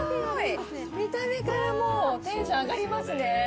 見た目からテンション上がりますね。